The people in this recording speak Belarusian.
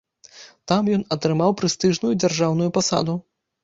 Там ён атрымаў прэстыжную дзяржаўную пасаду.